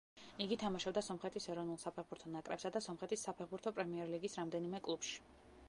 იგი თამაშობდა სომხეთის ეროვნულ საფეხბურთო ნაკრებსა და სომხეთის საფეხბურთო პრემიერლიგის რამდენიმე კლუბში.